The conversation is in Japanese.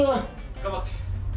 頑張って。